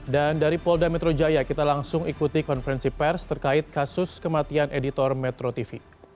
dan dari polda metro jaya kita langsung ikuti konferensi pers terkait kasus kematian editor metro tv